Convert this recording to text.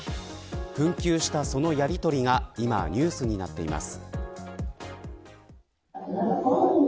紛糾したそのやりとりが今ニュースになっています。